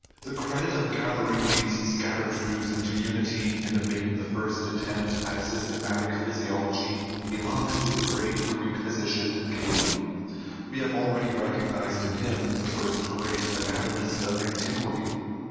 The credit of gathering these scattered truths into unity, and of making the first attempt at a systematic physiology, belongs to the great Greek physician Galen ; we have already recognized in him the first great anatomist of antiquity (cf.